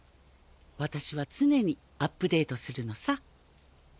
私は常にアップデートするのさ。